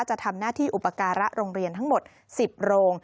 จะทำหน้าที่อุปการะโรงเรียนทั้งหมด๑๐โรง